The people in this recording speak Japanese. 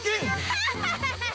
ハッハハハ！